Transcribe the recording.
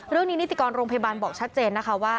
เรื่องนี้นิติกรรมโรงพยาบาลบอกชัดเจนนะคะว่า